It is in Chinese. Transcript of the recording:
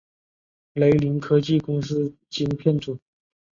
雷凌科技公司晶片组。